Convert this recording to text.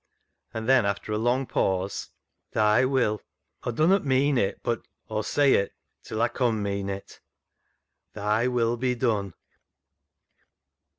And then, after a long pause, " Thy will — Aw dunnut vtean it, but Aw'll say it till Aw C071 mean it — Thy will be done."